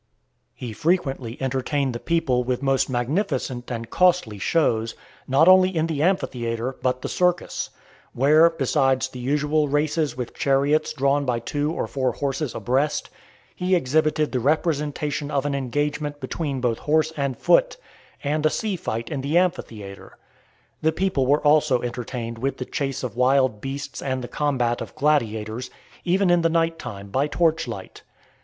IV. He frequently entertained the people with most magnificent and costly shows, not only in the amphitheatre, but the circus; where, besides the usual races with chariots drawn by two or four horses a breast, he exhibited the representation of an engagement between both horse and foot, and a sea fight in the amphitheatre. The people were also entertained with the chase of wild beasts and the combat of gladiators, even in the night time, by torch light.